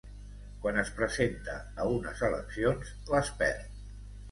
Quan es presenta a unes eleccions, les perd.